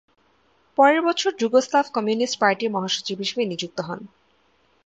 পরের বছর Yugoslav communist পার্টির মহাসচিব হিসেবে নিযুক্ত হন।